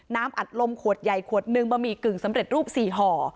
อัดลมขวดใหญ่ขวดหนึ่งบะหมี่กึ่งสำเร็จรูป๔ห่อ